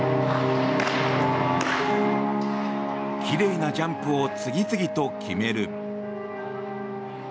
きれいなジャンプを次々と決める。